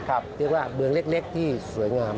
เรียกว่าเมืองเล็กที่สวยงาม